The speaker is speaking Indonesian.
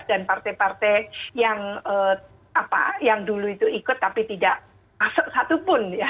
dan partai partai yang dulu itu ikut tapi tidak masuk satupun ya